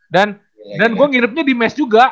dan dan gue ngidipnya di mes juga